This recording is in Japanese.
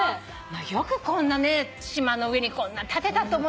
よく島の上にこんな建てたと思いましたよ。